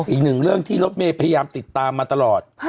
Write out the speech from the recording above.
อีกหนึ่งเรื่องที่รถเมย์พยายามติดตามมาตลอด